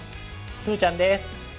鶴ちゃんです！